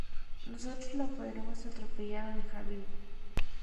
Nosotros los podremos atropellar o dejar vivos.